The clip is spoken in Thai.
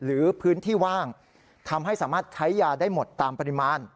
หรือพื้นที่ว่างทำให้สามารถใช้ยาได้หมดตามปริมาณ